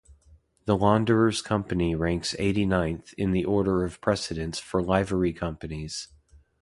The Launderers' Company ranks eighty-ninth in the order of precedence for Livery Companies.